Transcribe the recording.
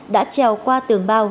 đã treo qua tường bao